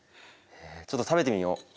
ちょっと食べてみよ。